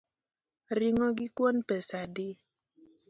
Ring’o gi kuon pesa adi?